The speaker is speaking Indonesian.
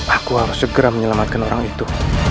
aku harus segera menyelamatkan orang itu